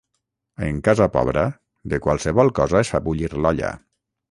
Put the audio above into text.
En casa pobra, de qualsevol cosa es fa bullir l'olla.